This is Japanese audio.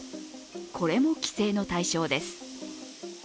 これも規制の対象です。